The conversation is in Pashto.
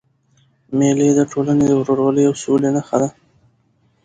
مېلې د ټولني د ورورولۍ او سولي نخښه ده.